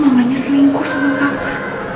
mamanya selingkuh sama papa